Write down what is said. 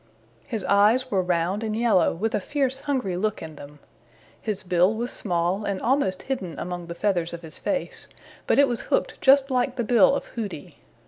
His eyes were round and yellow with a fierce hungry look in them. His bill was small and almost hidden among the feathers of his face, but it was hooked just like the bill of Hooty.